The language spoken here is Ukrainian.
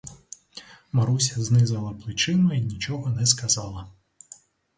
Маруся знизала плечима й нічого не сказала.